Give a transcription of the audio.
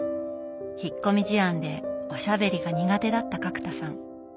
引っ込み思案でおしゃべりが苦手だった角田さん。